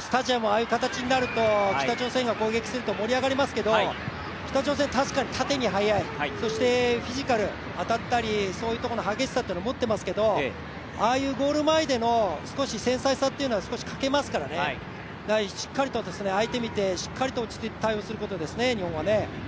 スタジアム、ああいう形になると、北朝鮮が攻撃すると盛り上がりますけど北朝鮮確かに縦に速いそしてフィジカル、当たったり、ああいうところの激しさを持っていますけどああいうゴール前での少し繊細さというのは欠けますから、日本はしっかりと相手を見て、しっかりと対応することですね。